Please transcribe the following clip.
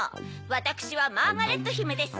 わたくしはマーガレットひめです。